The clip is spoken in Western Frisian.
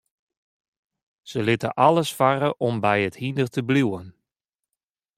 Se litte alles farre om by it hynder te bliuwen.